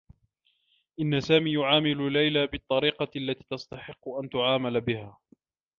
إنّ سامي يعامل ليلى بالطّريقة التي تستحق أن تُعامَل بها.